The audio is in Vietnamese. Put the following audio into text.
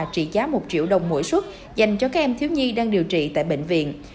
trị giá một triệu đồng mỗi xuất dành cho các em thiếu nhi đang điều trị tại bệnh viện